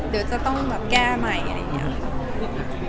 เดี๋ยวจะต้องแก้ใหม่อย่างนี้